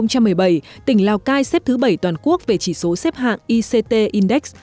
năm hai nghìn một mươi bảy tỉnh lào cai xếp thứ bảy toàn quốc về chỉ số xếp hạng ict index